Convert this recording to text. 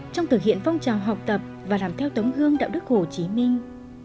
trong thực hiện phong trào học tập và làm theo tống hương đạo đức hồ chí minh